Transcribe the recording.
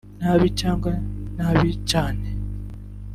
nabi cyangwa nabi cyane